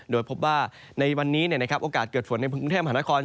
โดยพบว่าในวันนี้โอกาสเกิดฝนในกรุงเทพมหานคร